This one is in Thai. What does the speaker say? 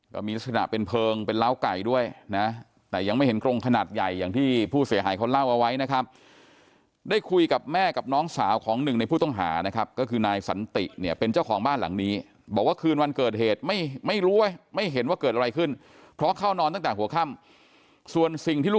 ก็มีลักษณะเป็นเพลิงเป็นล้าวไก่ด้วยนะแต่ยังไม่เห็นกรงขนาดใหญ่อย่างที่ผู้เสียหายเขาเล่าเอาไว้นะครับได้คุยกับแม่กับน้องสาวของหนึ่งในผู้ต้องหานะครับก็คือนายสันติเนี่ยเป็นเจ้าของบ้านหลังนี้บอกว่าคืนวันเกิดเหตุไม่ไม่รู้ว่าไม่เห็นว่าเกิดอะไรขึ้นเพราะเข้านอนตั้งแต่หัวค่ำส่วน